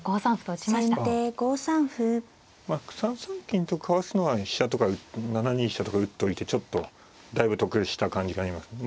金とかわすのは７二飛車とか打っといてちょっとだいぶ得した感じがありますね。